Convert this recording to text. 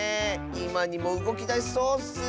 いまにもうごきだしそうッス。